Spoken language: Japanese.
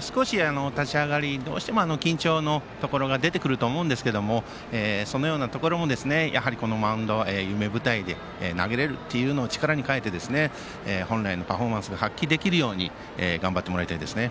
少し立ち上がりどうしても緊張のところが出てくると思いますがそのようなところもやはりこのマウンド、夢舞台で投げれるというところを力に変えて本来のパフォーマンスが発揮できるように頑張ってもらいたいですね。